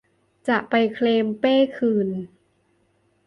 จะไปเคลมเป้คืน